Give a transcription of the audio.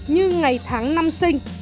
như ngày tháng năm sinh